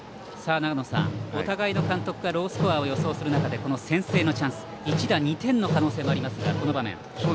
長野さん、お互いの監督がロースコアを予測する中でこの先制のチャンス一打２点の可能性もあるこの場面。